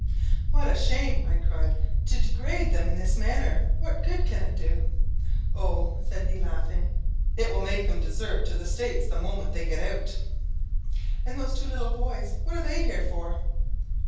"What a shame," I cried, "to degrade them in this manner! What good can it do?" "Oh," said he, laughing; "it will make them desert to the States the moment they get out." "And those two little boys; what are they here for?"